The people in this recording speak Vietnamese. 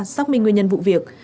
xác minh nguyên nhân vụ việc